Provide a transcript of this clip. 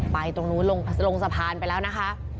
ตรงนู้นลงสะพานไปแล้วนะคะ